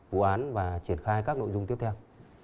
vụ án và triển khai các nội dung tiếp theo